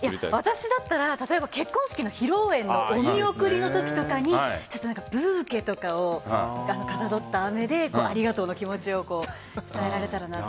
私だったら結婚式の披露宴のお見送りのときとかにブーケとかをかたどった飴でありがとうの気持ちを伝えられたらなと。